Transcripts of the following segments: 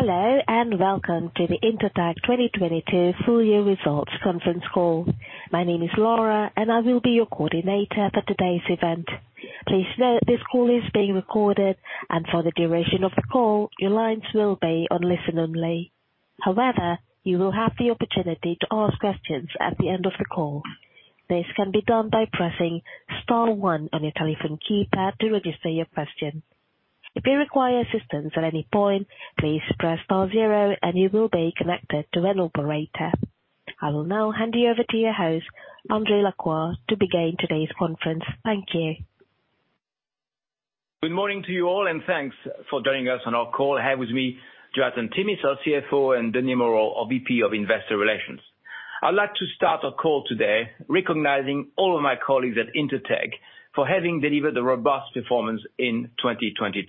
Hello, and welcome to the Intertek 2022 full year results conference call. My name is Laura, and I will be your coordinator for today's event. Please note this call is being recorded, and for the duration of the call, your lines will be on listen-only. However, you will have the opportunity to ask questions at the end of the call. This can be done by pressing star one on your telephone keypad to register your question. If you require assistance at any point, please press star zero and you will be connected to an operator. I will now hand you over to your host, André Lacroix, to begin today's conference. Thank you. Good morning to you all. Thanks for joining us on our call. I have with me Jonathan Timmis, our CFO, and Denis Moreau, our VP of Investor Relations. I'd like to start our call today recognizing all of my colleagues at Intertek for having delivered a robust performance in 2022.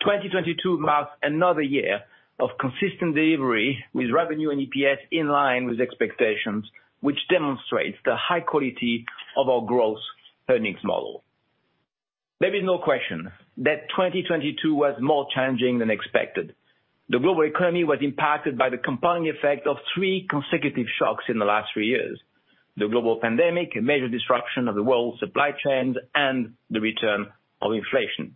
2022 marks another year of consistent delivery with revenue and EPS in line with expectations, which demonstrates the high quality of our growth earnings model. There is no question that 2022 was more challenging than expected. The global economy was impacted by the compounding effect of three consecutive shocks in the last three years. The global pandemic, a major disruption of the world supply chains, and the return of inflation.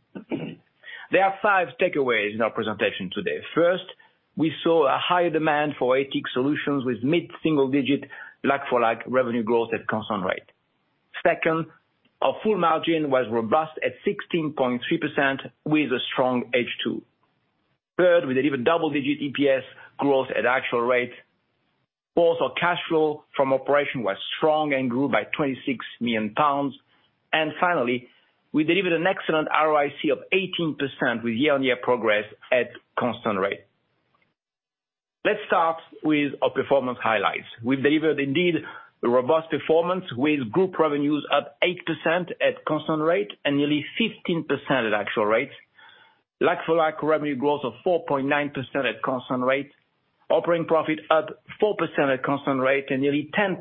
There are five takeaways in our presentation today. First, we saw a higher demand for ATIC solutions with mid-single-digit like-for-like revenue growth at constant rate. Our full margin was robust at 16.3% with a strong H2. We delivered double-digit EPS growth at actual rate. Our cash flow from operation was strong and grew by 26 million pounds. Finally, we delivered an excellent ROIC of 18% with year-on-year progress at constant rate. Let's start with our performance highlights. We delivered indeed a robust performance with group revenues up 8% at constant rate and nearly 15% at actual rates. Like-for-like revenue growth of 4.9% at constant rate. Operating profit up 4% at constant rate and nearly 10%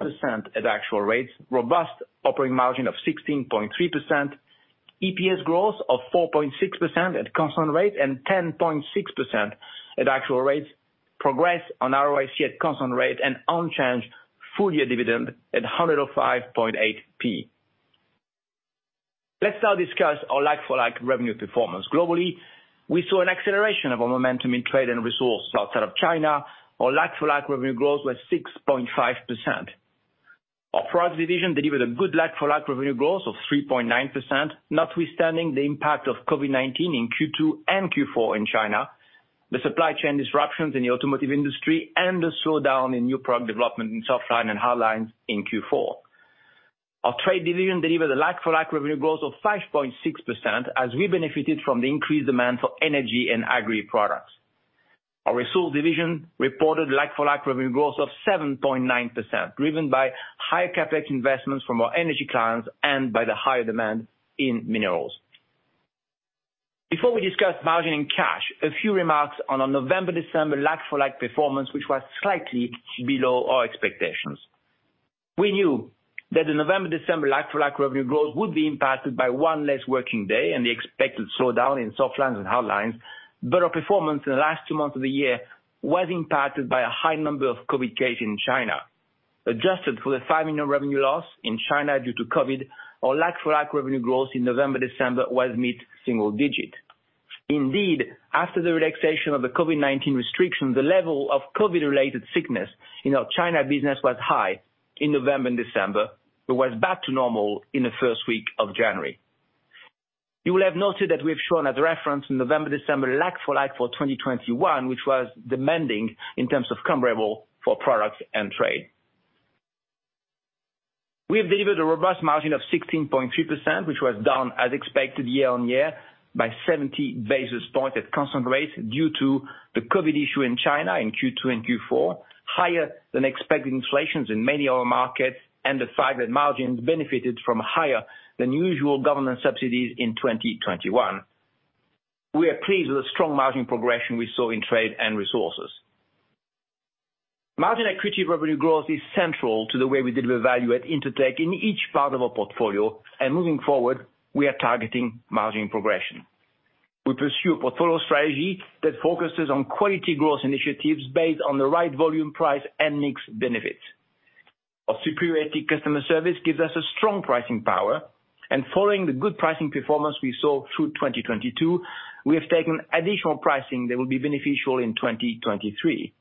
at actual rates. Robust operating margin of 16.3%. EPS growth of 4.6% at constant rate and 10.6% at actual rates. Progress on ROIC at constant rate and unchanged full year dividend at 105.8. Let's now discuss our like-for-like revenue performance. Globally, we saw an acceleration of our momentum in trade and resource outside of China. Our like-for-like revenue growth was 6.5%. Our products division delivered a good like-for-like revenue growth of 3.9%, notwithstanding the impact of COVID-19 in Q2 and Q4 in China, the supply chain disruptions in the automotive industry, and the slowdown in new product development in softline and hardline in Q4. Our trade division delivered a like-for-like revenue growth of 5.6% as we benefited from the increased demand for energy and agri-products. Our resource division reported like-for-like revenue growth of 7.9%, driven by higher CapEx investments from our energy clients and by the higher demand in minerals. Before we discuss margin and cash, a few remarks on our November-December like-for-like performance, which was slightly below our expectations. We knew that the November-December like-for-like revenue growth would be impacted by one less working day and the expected slowdown in softlines and hardlines, but our performance in the last two months of the year was impacted by a high number of COVID cases in China. Adjusted for the 5 million revenue loss in China due to COVID, our like-for-like revenue growth in November-December was mid-single digit. Indeed, after the relaxation of the COVID-19 restrictions, the level of COVID-related sickness in our China business was high in November and December. It was back to normal in the first week of January. You will have noted that we have shown as a reference November-December like-for-like for 2021, which was demanding in terms of comparable for products and trade. We have delivered a robust margin of 16.3%, which was down as expected year-on-year by 70 basis points at constant rates due to the COVID-19 in China in Q2 and Q4, higher than expected inflations in many other markets, and the fact that margins benefited from higher than usual government subsidies in 2021. We are pleased with the strong margin progression we saw in trade and resources. margin accretive revenue growth is central to the way we deliver value at Intertek in each part of our portfolio. Moving forward, we are targeting margin progression. We pursue a portfolio strategy that focuses on quality growth initiatives based on the right volume, price, and mix benefits. Our superiority customer service gives us a strong pricing power. Following the good pricing performance we saw through 2022, we have taken additional pricing that will be beneficial in 2023.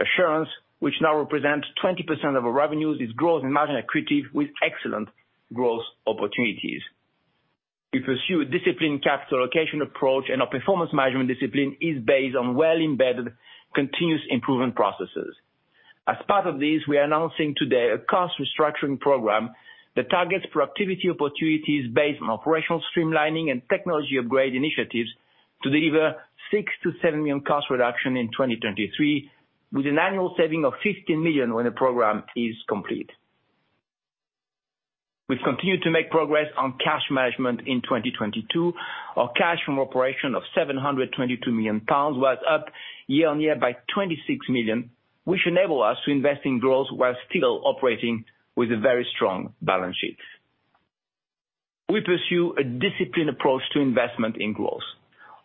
Assurance, which now represents 20% of our revenues, is growth in margin accretive with excellent growth opportunities. We pursue a disciplined capital allocation approach. Our performance management discipline is based on well-embedded continuous improvement processes. As part of this, we are announcing today a cost restructuring program that targets productivity opportunities based on operational streamlining and technology upgrade initiatives to deliver 6 million-7 million cost reduction in 2023, with an annual saving of 15 million when the program is complete. We've continued to make progress on cash management in 2022. Our cash from operation of 722 million pounds was up year-on-year by 26 million, which enable us to invest in growth while still operating with a very strong balance sheet. We pursue a disciplined approach to investment in growth.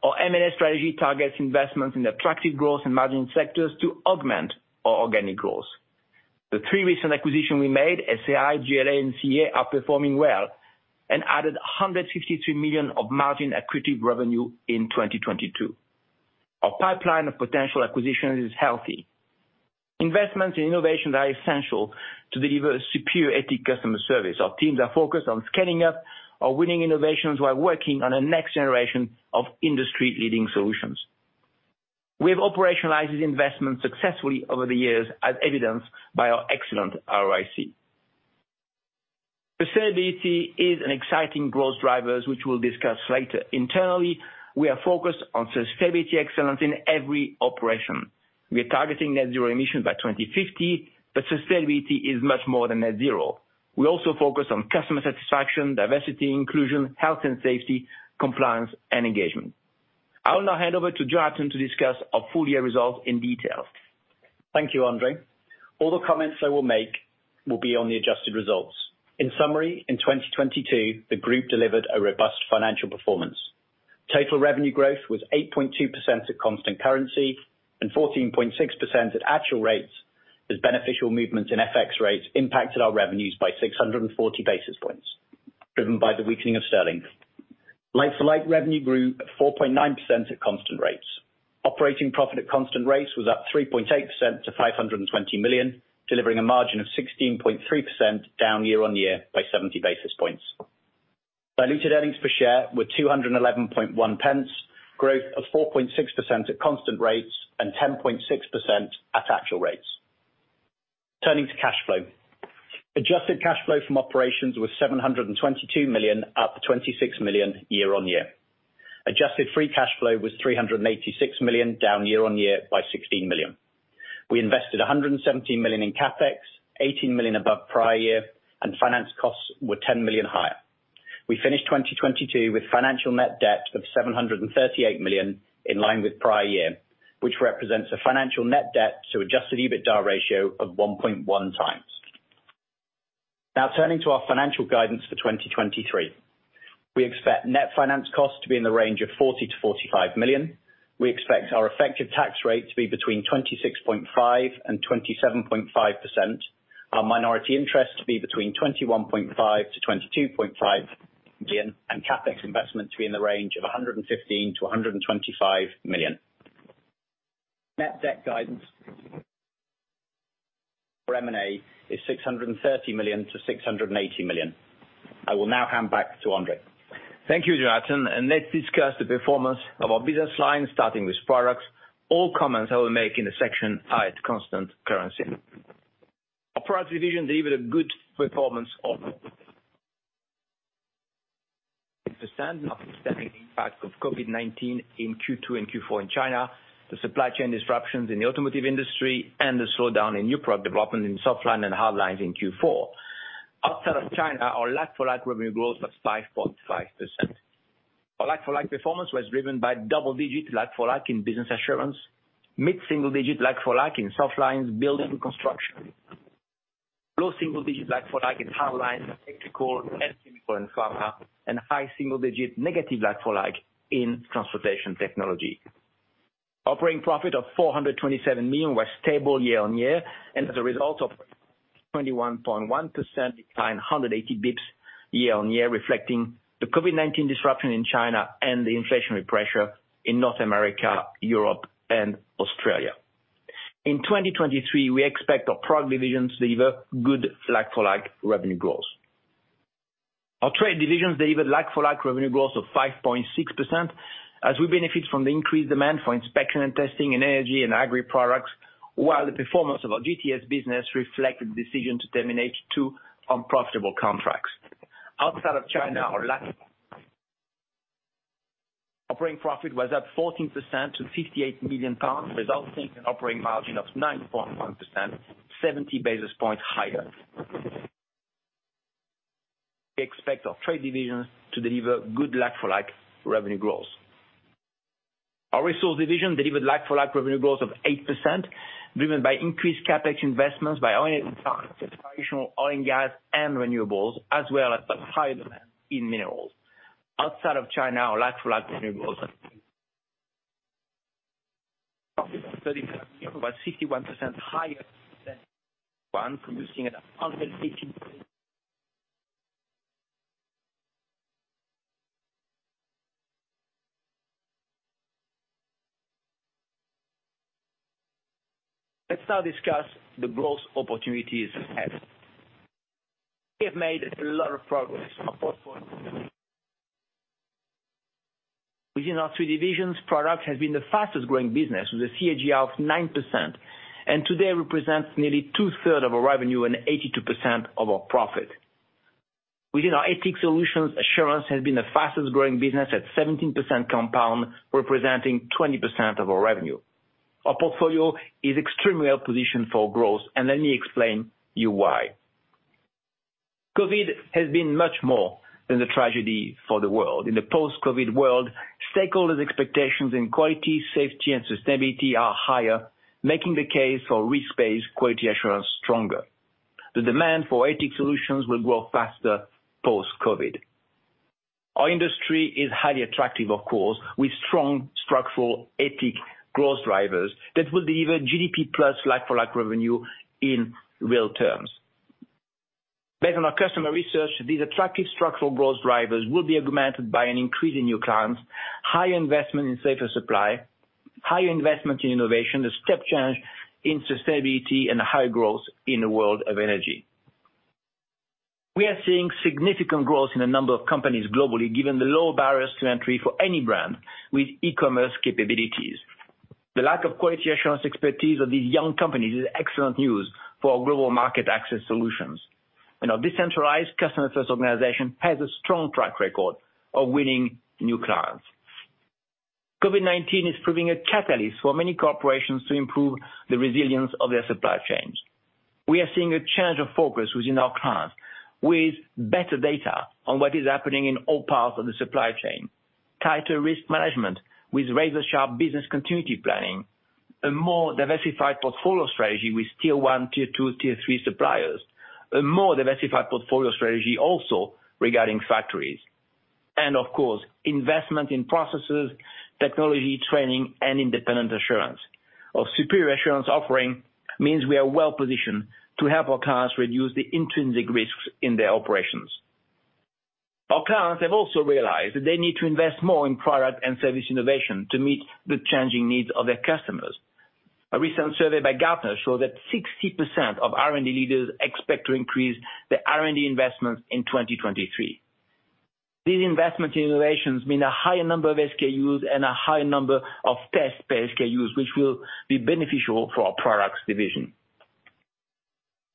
Our M&A strategy targets investments in attractive growth and margin sectors to augment our organic growth. The three recent acquisition we made, SAI, JLA, and CEA are performing well and added 152 million of margin accretive revenue in 2022. Our pipeline of potential acquisition is healthy. Investments in innovation are essential to deliver a superior ATIC customer service. Our teams are focused on scaling up our winning innovations while working on the next generation of industry-leading solutions. We have operationalized this investment successfully over the years, as evidenced by our excellent ROIC. Sustainability is an exciting growth drivers, which we'll discuss later. Internally, we are focused on sustainability excellence in every operation. We are targeting net zero emissions by 2050. Sustainability is much more than net zero. We also focus on customer satisfaction, diversity, inclusion, health and safety, compliance, and engagement. I'll now hand over to Jonathan to discuss our full year results in detail. Thank you, André. All the comments I will make will be on the adjusted results. In summary, in 2022, the group delivered a robust financial performance. Total revenue growth was 8.2% at constant currency and 14.6% at actual rates, as beneficial movements in FX rates impacted our revenues by 640 basis points, driven by the weakening of sterling. Like-for-like revenue grew at 4.9% at constant rates. Operating profit at constant rates was up 3.8% to 520 million, delivering a margin of 16.3% down year-on-year by 70 basis points. Diluted earnings per share were 211.1 pence, growth of 4.6% at constant rates and 10.6% at actual rates. Turning to cash flow. Adjusted cash flow from operations was 722 million, up 26 million year-on-year. Adjusted free cash flow was 386 million, down year-on-year by 16 million. We invested 117 million in CapEx, 18 million above prior year, and finance costs were 10 million higher. We finished 2022 with financial net debt of 738 million in line with prior year, which represents a financial net debt to adjusted EBITDA ratio of 1.1x. Now turning to our financial guidance for 2023. We expect net finance costs to be in the range of 40 million-45 million. We expect our effective tax rate to be between 26.5% and 27.5%. Our minority interest to be between 21.5 million-22.5 million, and CapEx investment to be in the range of 115 million-125 million. Net debt guidance for M&A is 630 million-680 million. I will now hand back to André. Thank you, Jonathan. Let's discuss the performance of our business lines starting with products. All comments I will make in the section are at constant currency. Our product division delivered a good performance of percent notwithstanding the impact of COVID-19 in Q2 and Q4 in China, the supply chain disruptions in the automotive industry, and the slowdown in new product development in softlines and hardlines in Q4. Outside of China, our like-for-like revenue growth was 5.5%. Our like-for-like performance was driven by double-digit like-for-like in Business Assurance, mid-single-digit like-for-like in softlines, Building and Construction. Low single-digit like-for-like in hardlines, technical, and Chemicals & Pharmaceuticals, and high single-digit negative like-for-like in Transportation Technologies. Operating profit of 427 million was stable year-on-year, and as a result of 21.1% decline, 180 basis points year-on-year, reflecting the COVID-19 disruption in China and the inflationary pressure in North America, Europe, and Australia. In 2023, we expect our product divisions to deliver good like-for-like revenue growth. Our trade divisions delivered like-for-like revenue growth of 5.6%, as we benefit from the increased demand for inspection and testing in energy and agri products. The performance of our GTS business reflected the decision to terminate two unprofitable contracts. Outside of China, our like operating profit was up 14% to 58 million pounds, resulting in an operating margin of 9.1%, 70 basis points higher. We expect our trade divisions to deliver good like-for-like revenue growth. Our resource division delivered like-for-like revenue growth of 8%, driven by increased CapEx investments by oil and gas, traditional oil and gas and renewables, as well as by high demand in minerals. Outside of China, our like-for-like renewables about 61% higher than one from using 150%. Let's now discuss the growth opportunities ahead. We have made a lot of progress on both points. Within our three divisions, product has been the fastest growing business with a CAGR of 9%, and today represents nearly 2/3 of our revenue and 82% of our profit. Within our ATIC solutions, assurance has been the fastest growing business at 17% compound, representing 20% of our revenue. Our portfolio is extremely well positioned for growth, let me explain you why. COVID has been much more than a tragedy for the world. In the post-COVID world, stakeholders' expectations in quality, safety, and sustainability are higher, making the case for risk-based quality assurance stronger. The demand for ATIC solutions will grow faster post-COVID. Our industry is highly attractive, of course, with strong structural organic growth drivers that will deliver GDP plus like-for-like revenue in real terms. Based on our customer research, these attractive structural growth drivers will be augmented by an increase in new clients, high investment in safer supply, high investment in innovation, the step change in sustainability, and high growth in the world of energy. We are seeing significant growth in a number of companies globally, given the low barriers to entry for any brand with e-commerce capabilities. The lack of quality assurance expertise of these young companies is excellent news for our Global Market Access solutions. Our decentralized customer-first organization has a strong track record of winning new clients. COVID-19 is proving a catalyst for many corporations to improve the resilience of their supply chains. We are seeing a change of focus within our clients with better data on what is happening in all parts of the supply chain, tighter risk management with razor-sharp business continuity planning, a more diversified portfolio strategy with tier one, tier two, tier three suppliers. A more diversified portfolio strategy also regarding factories and of course, investment in processes, technology, training, and independent assurance. Our superior assurance offering means we are well-positioned to help our clients reduce the intrinsic risks in their operations. Our clients have also realized that they need to invest more in product and service innovation to meet the changing needs of their customers. A recent survey by Gartner showed that 60% of R&D leaders expect to increase their R&D investments in 2023. These investment innovations mean a higher number of SKUs and a higher number of test-based SKUs, which will be beneficial for our products division.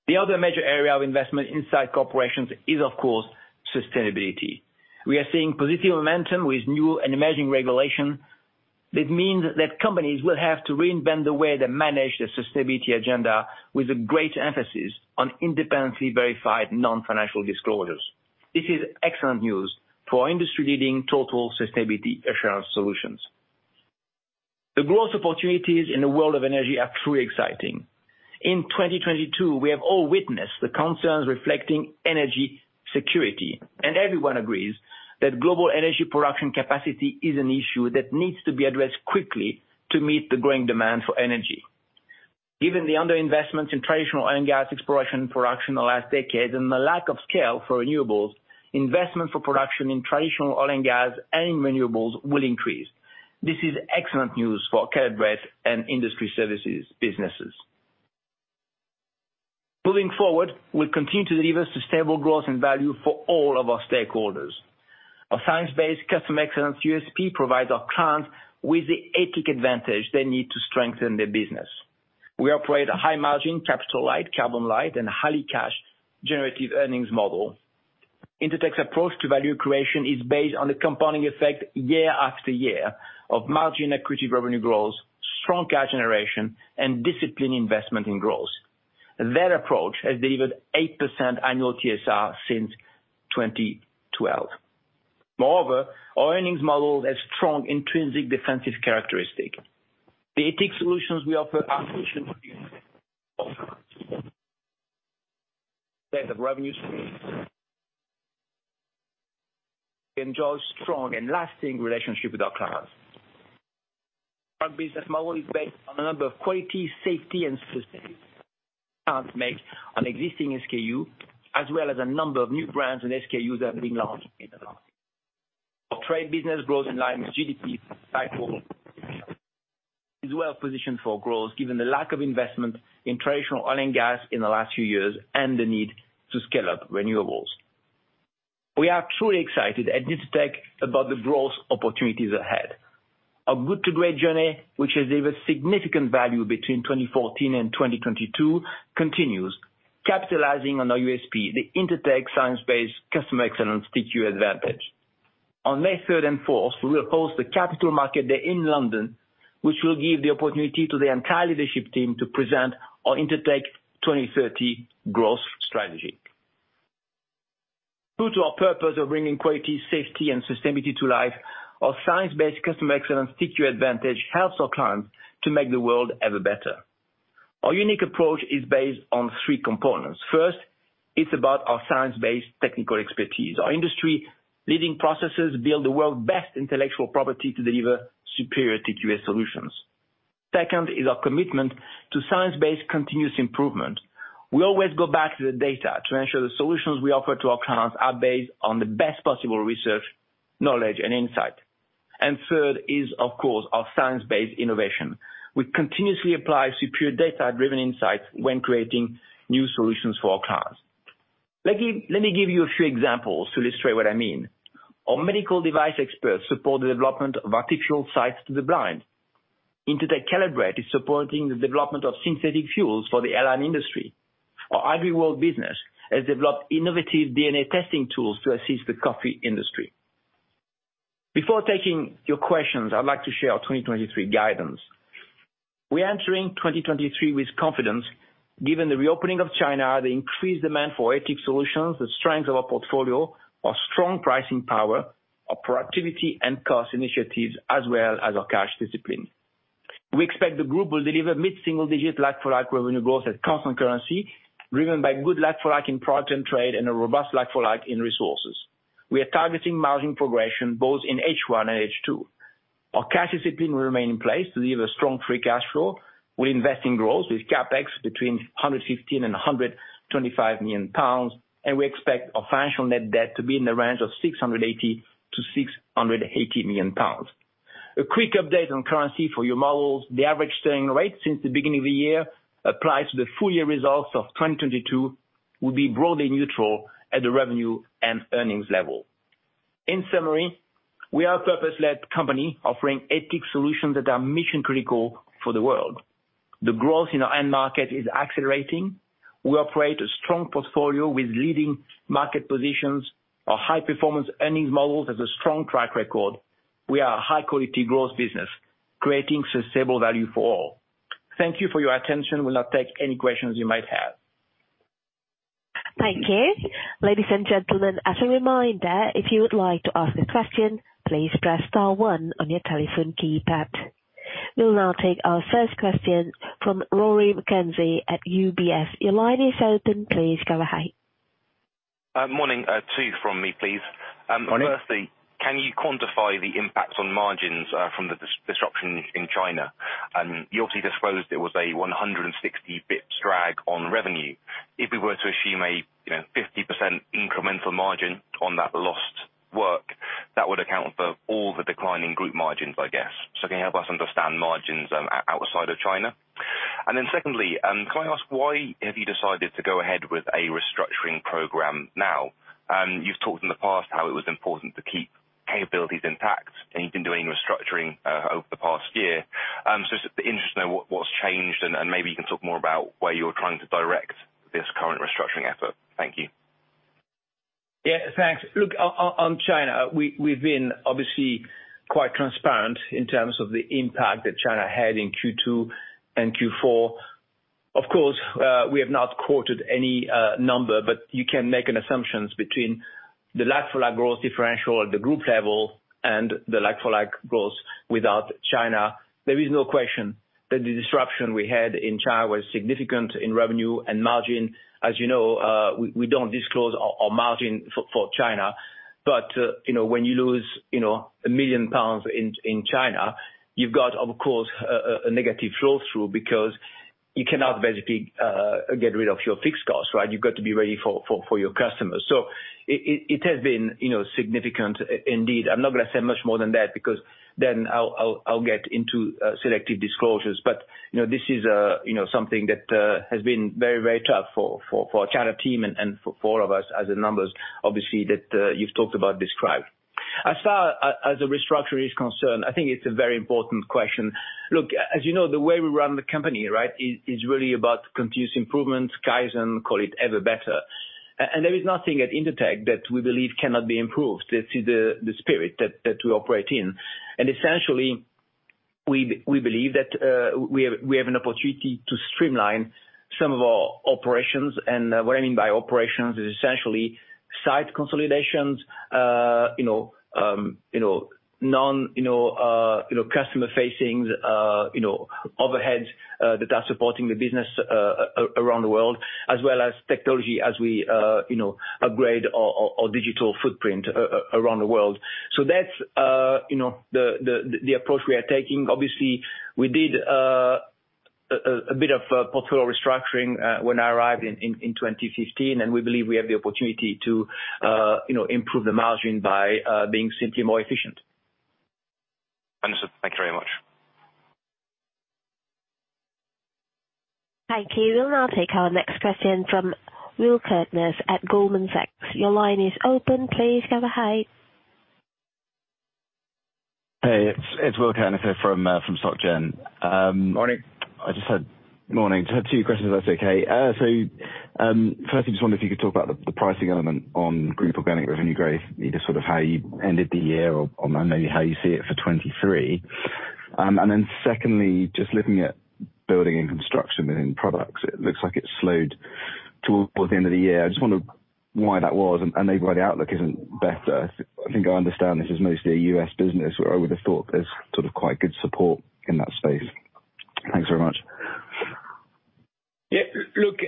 The other major area of investment inside corporations is, of course, sustainability. We are seeing positive momentum with new and emerging regulation. That means that companies will have to reinvent the way they manage their sustainability agenda with a great emphasis on independently verified non-financial disclosures. This is excellent news for our industry-leading Total Sustainability Assurance solutions. The growth opportunities in the world of energy are truly exciting. In 2022, we have all witnessed the concerns reflecting energy security, and everyone agrees that global energy production capacity is an issue that needs to be addressed quickly to meet the growing demand for energy. Given the underinvestment in traditional oil and gas exploration and production in the last decade, and the lack of scale for renewables, investment for production in traditional oil and gas and renewables will increase. This is excellent news for Caleb Brett and industry services businesses. Moving forward, we'll continue to deliver sustainable growth and value for all of our stakeholders. Our science-based custom excellence USP provides our clients with the ATIC advantage they need to strengthen their business. We operate a high margin, capital light, carbon light, and highly cash generative earnings model. Intertek's approach to value creation is based on the compounding effect year after year of margin accretive revenue growth, strong cash generation, and disciplined investment in growth. That approach has delivered 8% annual TSR since 2012. Our earnings model has strong intrinsic defensive characteristic. The ATIC solutions we offer are revenues. Enjoy strong and lasting relationship with our clients. Our business model is based on a number of quality, safety, and sustainability clients make on existing SKU as well as a number of new brands and SKUs that are being launched in the market. Our trade business grows in line with GDP cycle. Is well-positioned for growth given the lack of investment in traditional oil and gas in the last few years and the need to scale up renewables. We are truly excited at Intertek about the growth opportunities ahead. Our Good to Great journey, which has delivered significant value between 2014 and 2022, continues capitalizing on our USP, the Intertek science-based customer excellence TQA advantage. On May 3rd and 4th, we will host the Capital Markets Day in London, which will give the opportunity to the entire leadership team to present our Intertek 30 growth strategy. True to our purpose of bringing quality, safety, and sustainability to life, our science-based customer excellence TQA advantage helps our clients to make the world ever better. Our unique approach is based on three components. First, it's about our science-based technical expertise. Our industry-leading processes build the world's best intellectual property to deliver superior TQA solutions. Second is our commitment to science-based continuous improvement. We always go back to the data to ensure the solutions we offer to our clients are based on the best possible research, knowledge, and insight. Third is, of course, our science-based innovation. We continuously apply superior data-driven insights when creating new solutions for our clients. Let me give you a few examples to illustrate what I mean. Our medical device experts support the development of artificial sights to the blind. Intertek Caleb Brett is supporting the development of synthetic fuels for the airline industry. Our AgriWorld business has developed innovative DNA testing tools to assist the coffee industry. Before taking your questions, I'd like to share our 2023 guidance. We're entering 2023 with confidence given the reopening of China, the increased demand for ATEX solutions, the strength of our portfolio, our strong pricing power, our productivity and cost initiatives, as well as our cash discipline. We expect the group will deliver mid-single digit like-for-like revenue growth at constant currency, driven by good like for like in product and trade and a robust like for like in resources. We are targeting margin progression both in H1 and H2. Our cash discipline will remain in place to leave a strong free cash flow. We invest in growth with CapEx between 115 million and 125 million pounds, and we expect our financial net debt to be in the range of 680 million-680 million pounds. A quick update on currency for your models. The average staying rate since the beginning of the year applies to the full year results of 2022 will be broadly neutral at the revenue and earnings level. In summary, we are a purpose-led company offering ATEX solutions that are mission-critical for the world. The growth in our end market is accelerating. We operate a strong portfolio with leading market positions, a high-performance earnings model that has a strong track record. We are a high-quality growth business creating sustainable value for all. Thank you for your attention. We'll now take any questions you might have. Thank you. Ladies and gentlemen, as a reminder, if you would like to ask a question, please press star one on your telephone keypad. We will now take our first question from Rory McKenzie at UBS. Your line is open. Please go ahead. Morning. Two from me, please. Morning. Firstly, can you quantify the impact on margins from the disruption in China? You obviously disclosed it was a 160 basis points drag on revenue. If we were to assume a, you know, 50% incremental margin on that lost work, that would account for all the decline in group margins, I guess. Can you help us understand margins outside of China? Secondly, can I ask why have you decided to go ahead with a restructuring program now? You've talked in the past how it was important to keep capabilities intact, and you've been doing restructuring over the past year. It's interesting what's changed and maybe you can talk more about where you're trying to direct this current restructuring effort. Thank you. Thanks. Look, on China, we've been obviously quite transparent in terms of the impact that China had in Q2 and Q4. Of course, we have not quoted any number, but you can make an assumptions between the like for like growth differential at the group level and the like for like growth without China. There is no question that the disruption we had in China was significant in revenue and margin. As you know, we don't disclose our margin for China. You know, when you lose, you know, 1 million pounds in China, you've got, of course, a negative flow through because you cannot basically get rid of your fixed costs, right? You've got to be ready for your customers. It has been, you know, significant indeed. I'm not gonna say much more than that because then I'll get into selective disclosures. You know, this is, you know, something that has been very, very tough for our China team and for all of us as the numbers, obviously, that you've talked about describe. As far as the restructure is concerned, I think it's a very important question. Look, as you know, the way we run the company, right, is really about continuous improvement. Kaizen, call it ever better. There is nothing at Intertek that we believe cannot be improved. This is the spirit that we operate in. Essentially, we believe that we have an opportunity to streamline some of our operations, and what I mean by operations is essentially site consolidations, you know, non, you know, customer facings, you know, overheads that are supporting the business around the world, as well as technology as we, you know, upgrade our digital footprint around the world. That's, you know, the approach we are taking. Obviously, we did a bit of a portfolio restructuring when I arrived in 2015, and we believe we have the opportunity to, you know, improve the margin by being simply more efficient. Understood. Thank you very much. Thank you. We'll now take our next question from Will Kirkness at Goldman Sachs. Your line is open. Please go ahead. Hey. It's Will Kirkness from SocGen. Morning. Morning. I have two questions if that's okay. Firstly, just wonder if you could talk about the pricing element on group organic revenue growth, either sort of how you ended the year or maybe how you see it for 2023. Secondly, just looking at Building and Construction within products, it looks like it slowed towards the end of the year. I just wonder why that was and maybe why the outlook isn't better. I think I understand this is mostly a U.S. business, where I would have thought there's sort of quite good support in that space. Thanks very much. Look,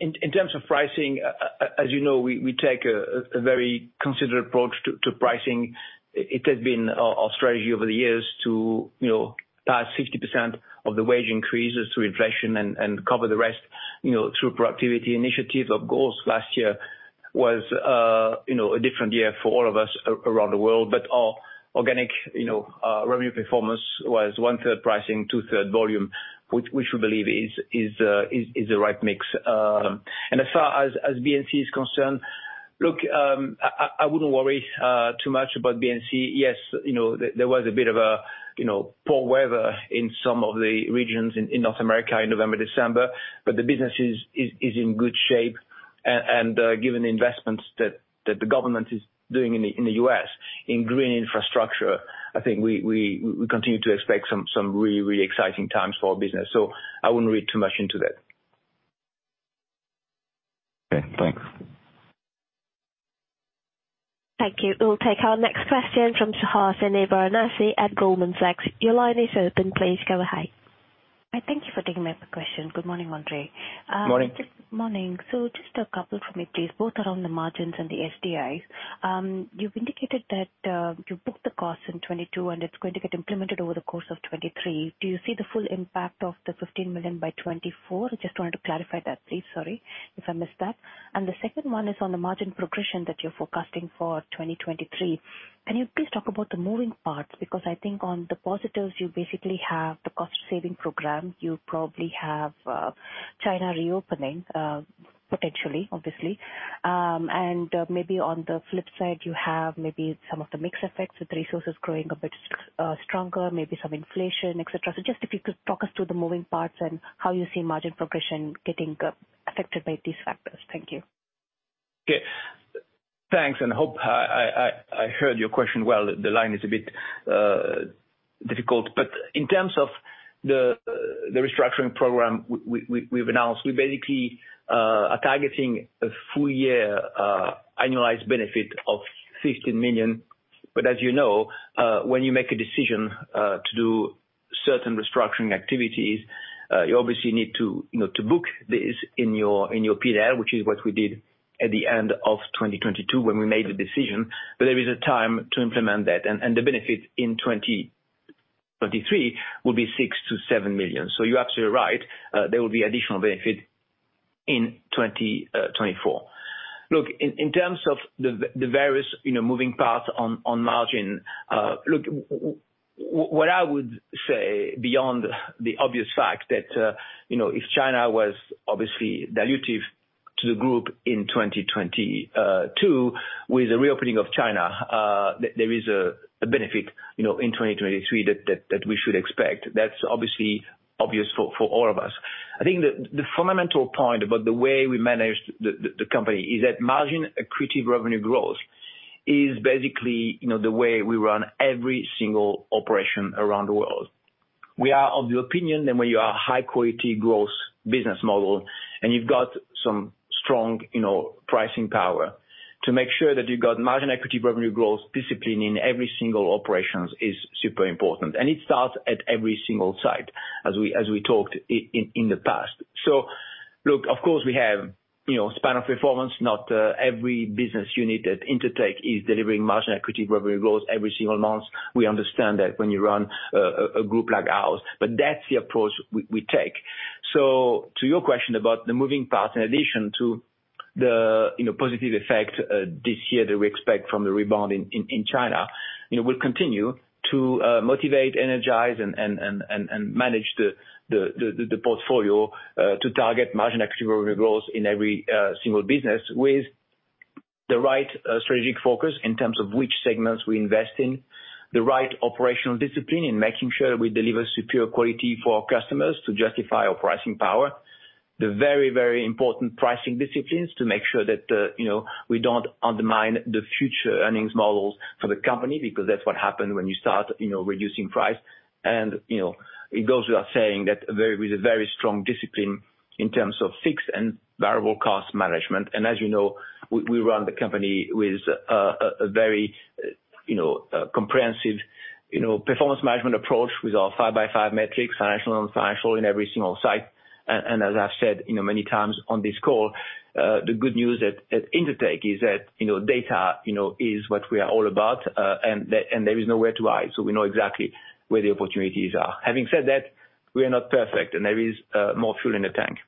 in terms of pricing, as you know, we take a very considered approach to pricing. It has been our strategy over the years to, you know, pass 60% of the wage increases through inflation and cover the rest, you know, through productivity initiatives. Of course, last year was, you know, a different year for all of us around the world. Our organic, you know, revenue performance was 1/3 pricing, 2/3 volume, which we should believe is the right mix. And as far as BNC is concerned, look, I wouldn't worry too much about BNC. Yes, you know, there was a bit of a, you know, poor weather in some of the regions in North America in November, December, but the business is in good shape. Given the investments that the government is doing in the U.S. in green infrastructure, I think we continue to expect some really exciting times for our business. I wouldn't read too much into that. Okay, thanks. Thank you. We'll take our next question from Suhasini Varanasi at Goldman Sachs. Your line is open. Please go ahead. Hi. Thank you for taking my question. Good morning, André. Morning. Morning. Just a couple from me, please, both around the margins and the SDIs. You've indicated that you booked the cost in 2022, and it's going to get implemented over the course of 2023. Do you see the full impact of the 15 million by 2024? I just wanted to clarify that, please. Sorry if I missed that. The second one is on the margin progression that you're forecasting for 2023. Can you please talk about the moving parts? I think on the positives, you basically have the cost-saving program. You probably have China reopening, potentially, obviously. Maybe on the flip side, you have maybe some of the mix effects with resources growing a bit stronger, maybe some inflation, et cetera. Just if you could talk us through the moving parts and how you see margin progression getting affected by these factors. Thank you. Okay. Thanks, and hope I heard your question well. The line is a bit difficult. In terms of the restructuring program we've announced, we basically are targeting a full year annualized benefit of 15 million. As you know, when you make a decision to do certain restructuring activities, you obviously need to, you know, to book this in your P&L, which is what we did at the end of 2022 when we made the decision. There is a time to implement that. The benefit in 2023 will be 6 million-7 million. You're absolutely right. There will be additional benefit in 2024. Look, in terms of the various, you know, moving parts on margin, what I would say beyond the obvious fact that, you know, if China was obviously dilutive to the group in 2022 with the reopening of China, there is a benefit, you know, in 2023 that we should expect. That's obviously obvious for all of us. I think the fundamental point about the way we manage the company is that margin accretive revenue growth is basically, you know, the way we run every single operation around the world. We are of the opinion that when you are a high-quality growth business model, and you've got some strong, you know, pricing power to make sure that you've got margin accretive revenue growth discipline in every single operations is super important. It starts at every single site, as we talked in the past. Look, of course we have, you know, span of performance, not every business unit at Intertek is delivering margin accretive revenue growth every single month. We understand that when you run a group like ours, but that's the approach we take. To your question about the moving parts, in addition to the, you know, positive effect, this year that we expect from the rebound in China, you know, we'll continue to motivate, energize, and manage the portfolio to target margin accretive revenue growth in every single business with the right strategic focus in terms of which segments we invest in, the right operational discipline in making sure that we deliver superior quality for our customers to justify our pricing power. The very, very important pricing disciplines to make sure that, you know, we don't undermine the future earnings models for the company because that's what happens when you start, you know, reducing price. You know, it goes without saying that with a very strong discipline in terms of fixed and variable cost management. As you know, we run the company with a very, you know, comprehensive, you know, performance management approach with our 5x5 metrics, financial, non-financial in every single site. As I've said, you know, many times on this call, the good news at Intertek is that, you know, data, you know, is what we are all about, and there is nowhere to hide. We know exactly where the opportunities are. Having said that, we are not perfect, and there is more fuel in the tank.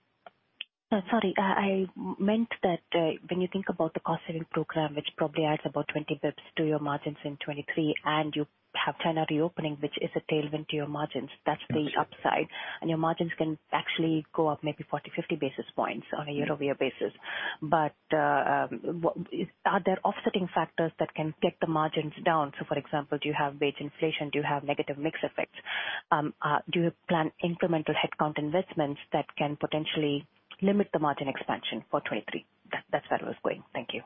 No, sorry. I meant that, when you think about the cost-saving program, which probably adds about 20 BPS to your margins in 2023, and you have China reopening, which is a tailwind to your margins- Okay. that's the upside. Your margins can actually go up maybe 40, 50 basis points on a year-over-year basis. Are there offsetting factors that can take the margins down? For example, do you have wage inflation? Do you have negative mix effects? Do you plan incremental headcount investments that can potentially limit the margin expansion for 2023? That's where I was going. Thank you.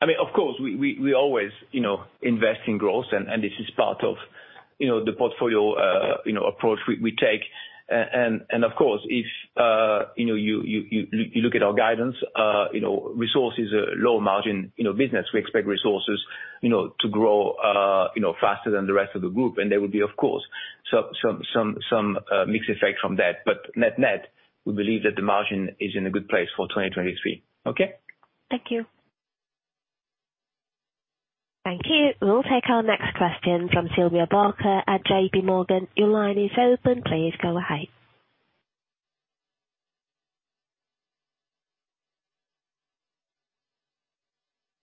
I mean, of course, we always, you know, invest in growth and this is part of, you know, the portfolio, you know, approach we take. Of course, if, you know, you look at our guidance, you know, resource is a low margin, you know, business. We expect resources, you know, to grow, you know, faster than the rest of the group, and there will be, of course, some mix effects from that. Net-net, we believe that the margin is in a good place for 2023. Okay? Thank you. Thank you. We'll take our next question from Sylvia Barker at J.P. Morgan. Your line is open. Please go ahead.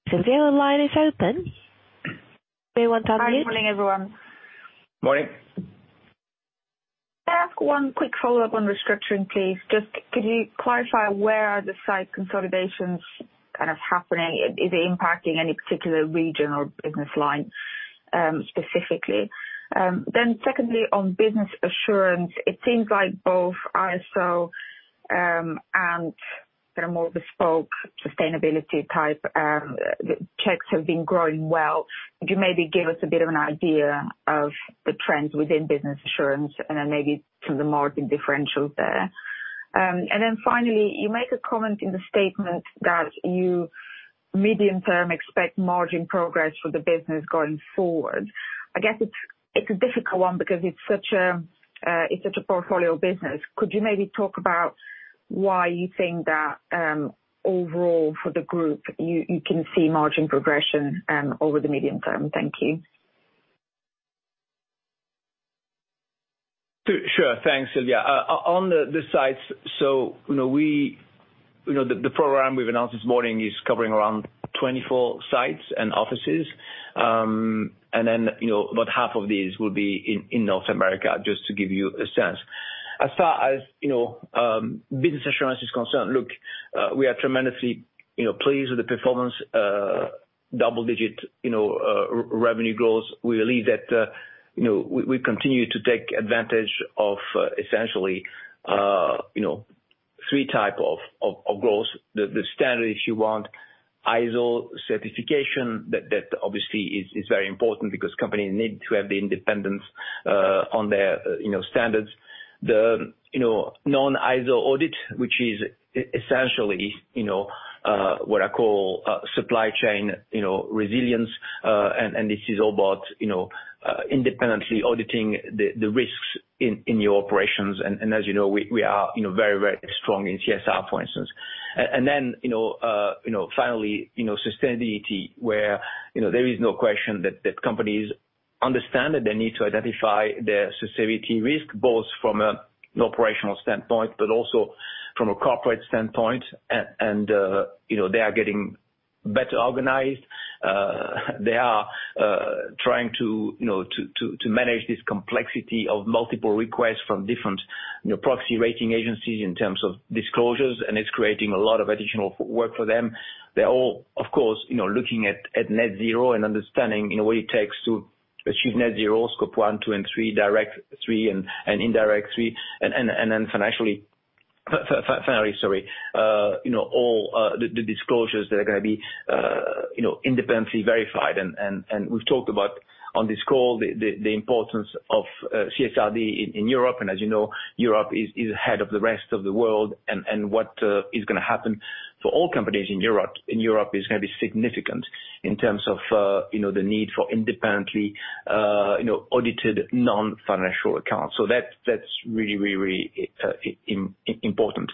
Sylvia, your line is open. Do you want to unmute? Morning, everyone. Morning. May I ask one quick follow-up on restructuring, please? Just could you clarify where are the site consolidations kind of happening? Is it impacting any particular region or business line? Specifically. Secondly, on Business Assurance, it seems like both ISO and the more bespoke sustainability type checks have been growing well. Could you maybe give us a bit of an idea of the trends within Business Assurance and then maybe some of the margin differentials there? Finally, you make a comment in the statement that you medium term expect margin progress for the business going forward. I guess, it's a difficult one because it's such a portfolio business. Could you maybe talk about why you think that overall for the group you can see margin progression over the medium term? Thank you. Sure. Thanks, Sylvia. On the sites, you know, You know, the program we've announced this morning is covering around 24 sites and offices. You know, about half of these will be in North America, just to give you a sense. As far as, you know, Business Assurance is concerned, look, we are tremendously, you know, pleased with the performance, double digit, you know, revenue growth. We believe that, you know, we continue to take advantage of essentially, you know, 3 type of growth. The standard, if you want ISO certification, that obviously is very important because companies need to have the independence on their, you know, standards. The, you know, non-ISO audit, which is essentially, you know, what I call, supply chain, you know, resilience, and this is all about, you know, independently auditing the risks in your operations. As you know, we are, you know, very strong in CSR, for instance. Then, you know, finally, you know, sustainability, where, you know, there is no question that companies understand that they need to identify their sustainability risk, both from an operational standpoint, but also from a corporate standpoint. They are getting better organized. They are trying to, you know, manage this complexity of multiple requests from different, you know, proxy rating agencies in terms of disclosures, and it's creating a lot of additional work for them. They're all, of course, you know, looking at net zero and understanding, you know, what it takes to achieve net zero, Scope one, two, and three, direct three and indirect three, and then financially. Finally, sorry, you know, all the disclosures that are gonna be, you know, independently verified. We've talked about on this call the importance of CSRD in Europe, and as you know, Europe is ahead of the rest of the world. What is gonna happen for all companies in Europe is gonna be significant in terms of, you know, the need for independently, you know, audited non-financial accounts. That's really important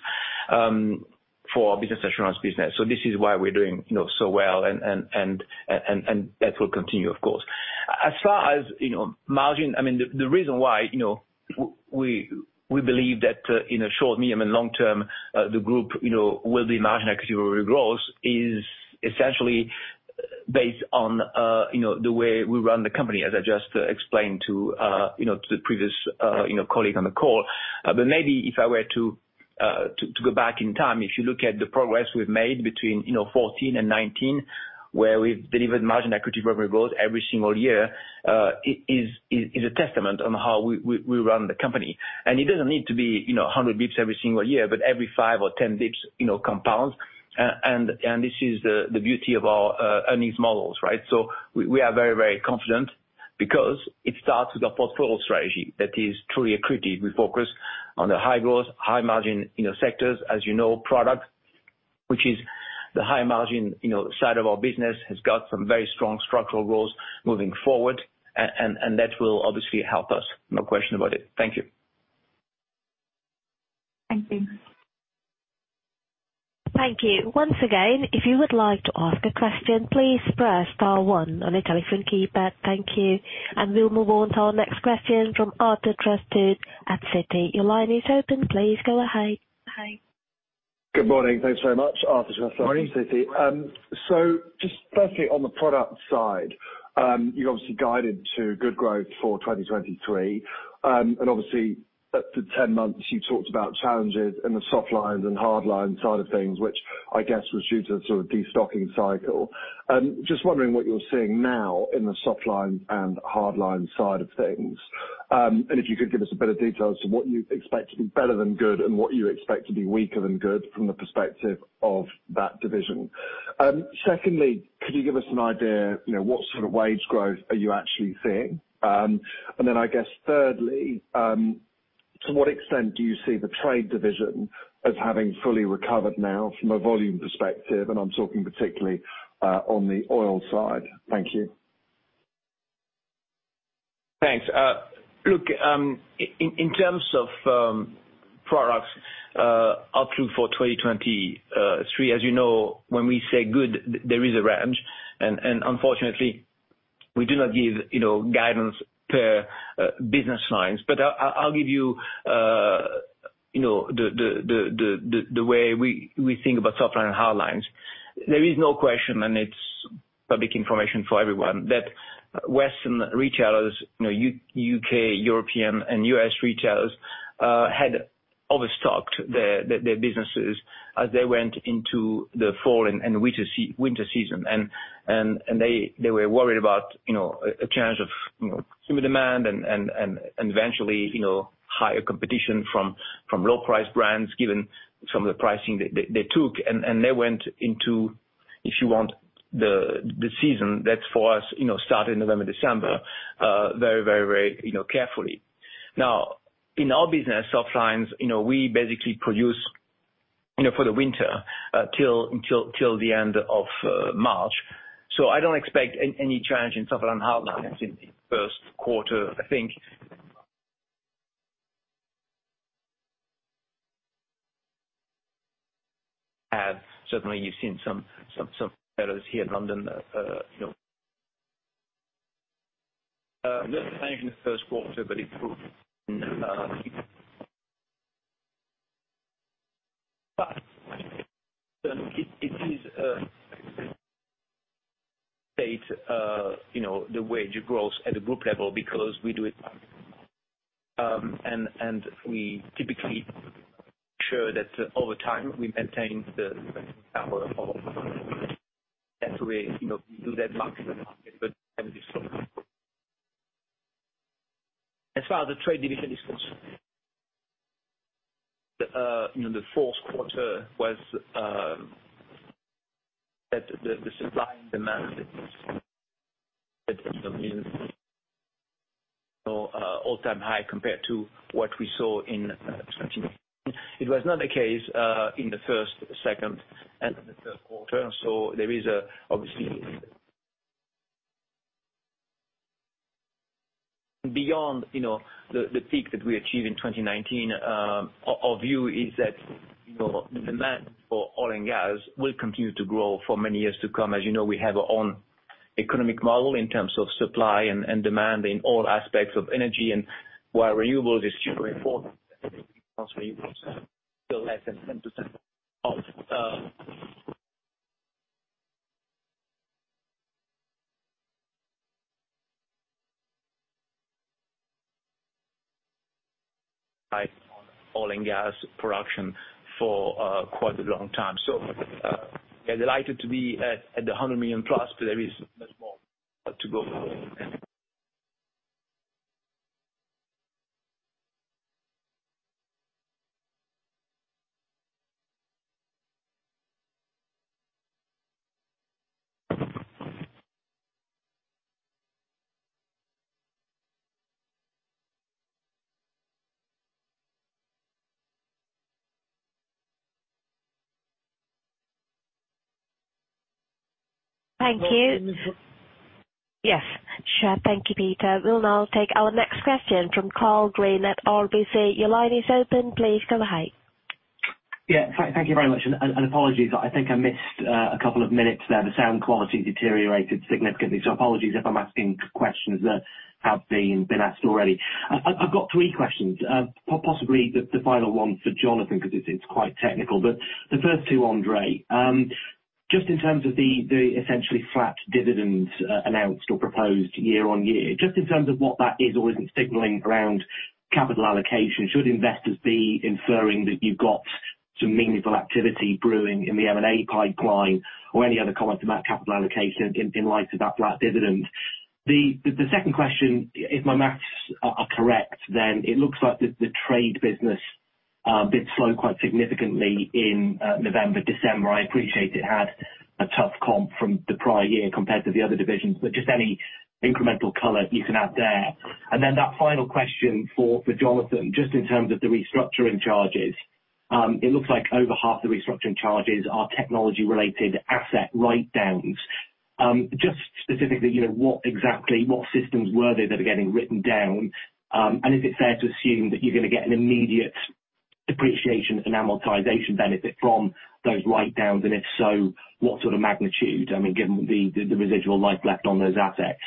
for our Business Assurance business. This is why we're doing, you know, so well and that will continue, of course. As far as, you know, margin, I mean, the reason why, you know, we believe that in the short, medium, and long term, the group, you know, will be margin accretive over growth is essentially based on, you know, the way we run the company, as I just explained to, you know, to the previous, you know, colleague on the call. Maybe if I were to go back in time, if you look at the progress we've made between, you know, 2014 and 2019, where we've delivered margin accretive revenue growth every single year, it is a testament on how we run the company. It doesn't need to be, you know, 100 basis points every single year, but every five or 10 basis points, you know, compounds. This is the beauty of our earnings models, right? We are very, very confident because it starts with a portfolio strategy that is truly accretive. We focus on the high growth, high margin, you know, sectors. You know, product, which is the high margin, you know, side of our business, has got some very strong structural growth moving forward. That will obviously help us. No question about it. Thank you. Thank you. Thank you. Once again, if you would like to ask a question, please press star one on your telephone keypad. Thank you. We'll move on to our next question from Arthur Truslove at Citi. Your line is open. Please go ahead. Good morning. Thanks very much. Arthur Truslove from Citi. Morning. Just firstly, on the product side, you obviously guided to good growth for 2023. Obviously at the 10 months, you talked about challenges in the softlines and hardlines side of things, which I guess was due to the sort of destocking cycle. Just wondering what you're seeing now in the softlines and hardlines side of things. If you could give us a bit of detail as to what you expect to be better than good and what you expect to be weaker than good from the perspective of that division. Secondly, could you give us an idea, you know, what sort of wage growth are you actually seeing? I guess thirdly, to what extent do you see the trade division as having fully recovered now from a volume perspective, and I'm talking particularly on the oil side. Thank you. Thanks. In terms of products outlook for 2023, as you know, when we say good, there is a range, and unfortunately we do not give, you know, guidance per business lines. I'll give you know, the way we think about softlines and hardlines. There is no question, and it's public information for everyone, that Western retailers, you know, U.K., European and U.S. retailers had Overstocked their businesses as they went into the fall and winter season. They were worried about, you know, a change of, you know, consumer demand and eventually, you know, higher competition from low price brands, given some of the pricing they took. They went into, if you want, the season that's for us, you know, start in November, December, very, you know, carefully. Now, in our business, softlines, you know, we basically produce, you know, for the winter, till the end of March. I don't expect any change in softline hardlines in the first quarter. Have certainly you've seen some errors here in London, you know. Not change in the first quarter, but it will. It is, you know, the wage growth at the group level because we do it. And we typically ensure that over time we maintain the power of Actually, you know, we do that maximum. As far as the trade division is concerned, you know, the fourth quarter was that the supply and demand, you know, all-time high compared to what we saw in 2019. It was not the case in the first, second and the third quarter. There is a obviously, beyond, you know, the peak that we achieved in 2019, our view is that, you know, demand for oil and gas will continue to grow for many years to come. As you know, we have our own economic model in terms of supply and demand in all aspects of energy. While renewables is super important, still less than 10% of Oil and gas production for quite a long time. Delighted to be at the 100 million plus, but there is more to go. Thank you. Yes. Sure. Thank you, Peter. We'll now take our next question from Karl Green at RBC. Your line is open. Please go ahead. Yeah. Thank you very much. Apologies, I think I missed a couple of minutes there. The sound quality deteriorated significantly. Apologies if I'm asking questions that have been asked already. I've got three questions. Possibly the final one for Jonathan because it's quite technical, but the first two, André. Just in terms of the essentially flat dividend announced or proposed year-on-year, just in terms of what that is or isn't signaling around capital allocation, should investors be inferring that you've got some meaningful activity brewing in the M&A pipeline or any other comments about capital allocation in light of that flat dividend? The second question, if my maths are correct, it looks like the trade business did slow quite significantly in November, December. I appreciate it had a tough comp from the prior year compared to the other divisions, but just any incremental color you can add there. That final question for Jonathan, just in terms of the restructuring charges, it looks like over half the restructuring charges are technology related asset write-downs. Just specifically, you know, what exactly, what systems were they that are getting written down? And is it fair to assume that you're gonna get an immediate depreciation and amortization benefit from those write-downs? And if so, what sort of magnitude? I mean, given the residual life left on those assets.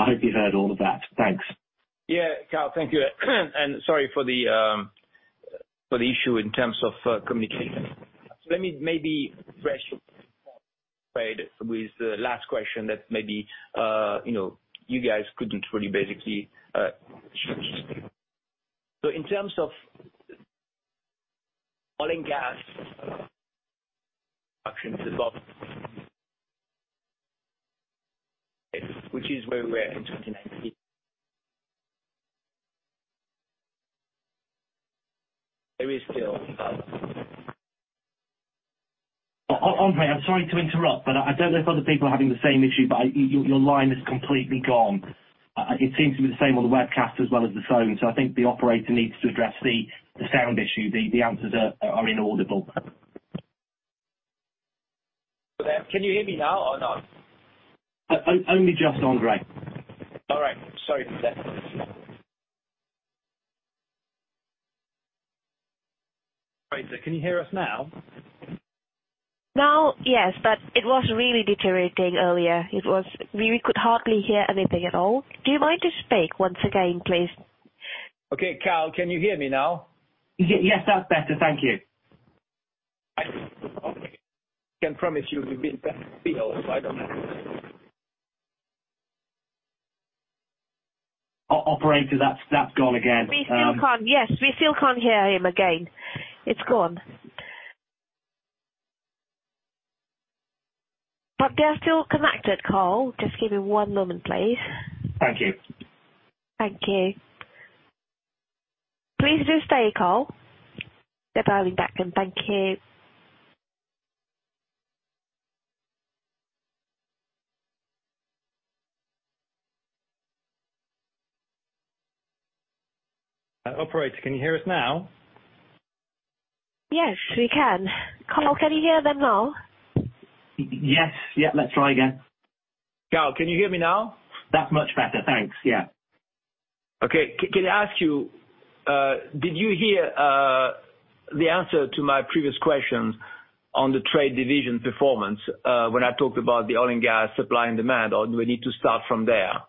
I hope you've heard all of that. Thanks. Yeah. Karl, thank you. Sorry for the issue in terms of communication. Let me maybe fresh trade with the last question that maybe, you know, you guys couldn't really basically. In terms of oil and gas which is where we are in 2019 there is still André, I'm sorry to interrupt, but I don't know if other people are having the same issue, but I your line is completely gone. It seems to be the same on the webcast as well as the phone. I think the operator needs to address the sound issue. The answers are inaudible. Can you hear me now or not? Only just, André. All right. Sorry for that. Fraser, can you hear us now? Now, yes, but it was really deteriorating earlier. We could hardly hear anything at all. Do you mind just speak once again, please? Okay. Karl, can you hear me now? Yes, that's better. Thank you. Can promise you we've been Operator, that's gone again. We still can't. Yes, we still can't hear him again. It's gone. We are still connected, Karl. Just give me one moment, please. Thank you. Thank you. Please do stay, Karl. They're dialing back in. Thank you. Operator, can you hear us now? Yes, we can. Karl, can you hear them now? Yes. Yeah, let's try again. Karl, can you hear me now? That's much better. Thanks, yeah. Okay. Can I ask you, did you hear the answer to my previous question on the trade division performance, when I talked about the oil and gas supply and demand, or do we need to start from there?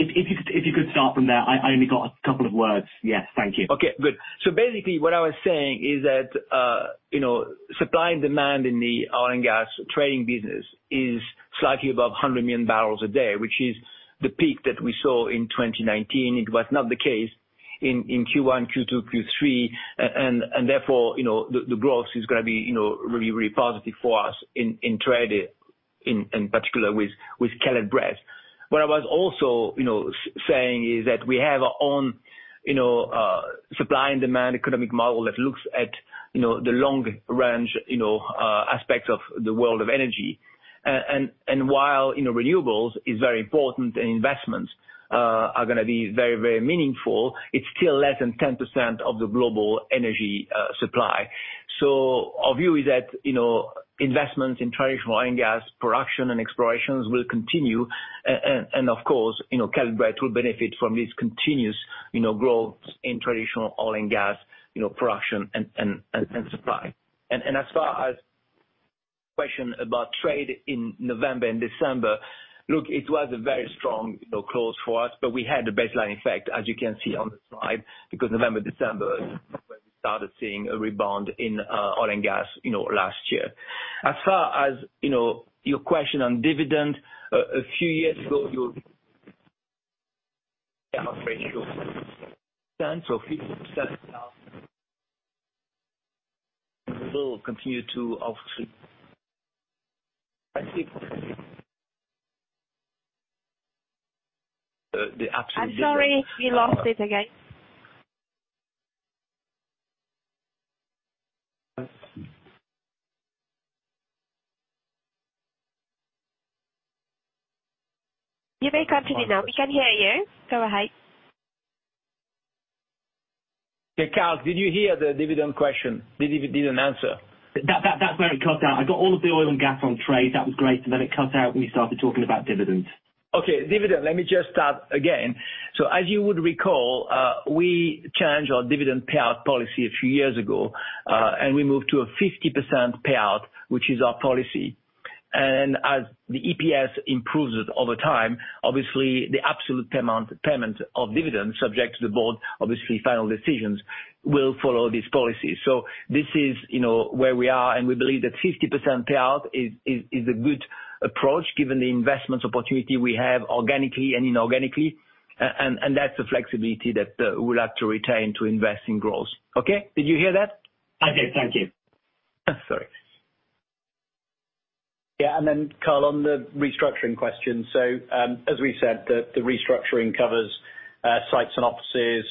If you could start from there, I only got a couple of words. Yes, thank you. Okay, good. Basically what I was saying is that, you know, supply and demand in the oil and gas trading business is slightly above 100 million barrels a day, which is the peak that we saw in 2019. It was not the case in Q1, Q2, Q3. Therefore, you know, the growth is gonna be, you know, really, really positive for us in trade, in particular with Caleb Brett. What I was also, you know, saying is that we have our own, you know, supply and demand economic model that looks at, you know, the long range, you know, aspects of the world of energy. While, you know, renewables is very important and investments, are gonna be very, very meaningful, it's still less than 10% of the global energy supply. Our view is that, you know, investments in traditional oil and gas production and explorations will continue. And of course, you know, Caleb Brett will benefit from this continuous, you know, growth in traditional oil and gas, you know, production and supply. As far as question about trade in November and December, look, it was a very strong, you know, close for us, but we had a baseline effect as you can see on the slide, because November, December is when we started seeing a rebound in oil and gas, you know, last year. As far as, you know, your question on dividend, a few years ago will continue to the. I'm sorry. We lost it again. You may continue now. We can hear you. Go ahead. Yeah, Karl, did you hear the dividend question? Did you give me an answer? That where it cut out. I got all of the oil and gas on trade. That was great. It cut out when you started talking about dividends. Okay. Dividend, let me just start again. As you would recall, we changed our dividend payout policy a few years ago, and we moved to a 50% payout, which is our policy. As the EPS improves over time, obviously the absolute payment of dividends subject to the board, obviously final decisions will follow this policy. This is, you know, where we are, and we believe that 50% payout is a good approach given the investments opportunity we have organically and inorganically, and that's the flexibility that we'll have to retain to invest in growth. Okay. Did you hear that? I did. Thank you. Sorry. Yeah. Karl, on the restructuring question. As we said, the restructuring covers sites and offices,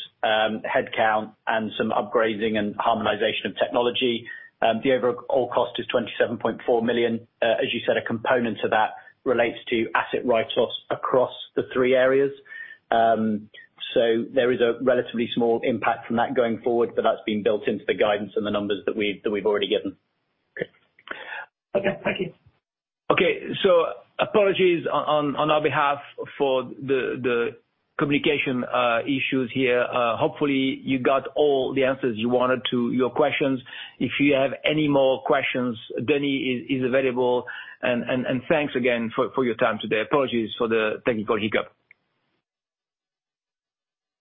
head count and some upgrading and harmonization of technology. The overall cost is 27.4 million. As you said, a component to that relates to asset write-offs across the three areas. There is a relatively small impact from that going forward, but that's been built into the guidance and the numbers that we've already given. Okay. Thank you. Okay. Apologies on our behalf for the communication issues here. Hopefully you got all the answers you wanted to your questions. If you have any more questions, Denny is available. Thanks again for your time today. Apologies for the technical hiccup.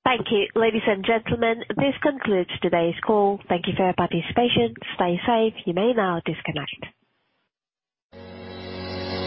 Thank you. Ladies and gentlemen, this concludes today's call. Thank you for your participation. Stay safe. You may now disconnect.